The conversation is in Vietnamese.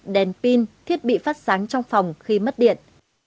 đèn pin thiết bị phát sáng trong phòng khi mất điện